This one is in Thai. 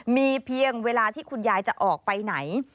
มีเพียงเวลาที่คุณยายจะออกไปไหน